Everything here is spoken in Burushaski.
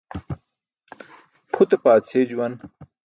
Pʰute paadśey juwan.